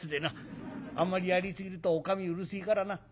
あんまりやりすぎるとおかみうるせえからな。